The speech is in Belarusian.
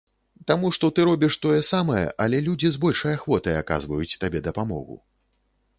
Таму што ты робіш тое самае, але людзі з большай ахвотай аказваюць табе дапамогу.